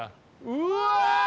うわ！